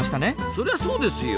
そりゃそうですよ。